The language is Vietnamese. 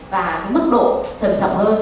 và cái mức độ trầm trọng hơn